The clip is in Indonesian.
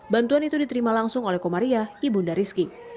bantuan itu diterima langsung oleh komaria ibunda rizky